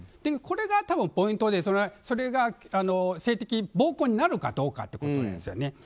これがポイントでそれが性的暴行になるかどうかということですよね。